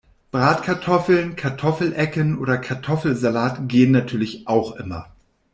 Bratkartoffeln, Kartoffelecken oder Kartoffelsalat gehen natürlich auch immer.